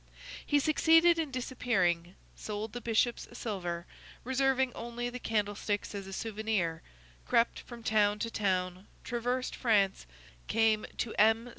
He succeeded in disappearing, sold the Bishop's silver, reserving only the candlesticks as a souvenir, crept from town to town, traversed France, came to M.